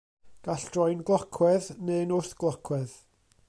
Gall droi'n glocwedd neu'n wrthglocwedd.